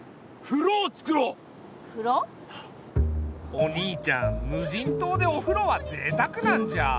お兄ちゃん無人島でお風呂はぜいたくなんじゃ。